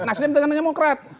nasib dengan demokrat